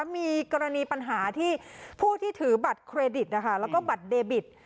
มีกรณีปัญหาที่ผู้ที่ถือบัตรเครดิตแล้วก็บัตรเดบิต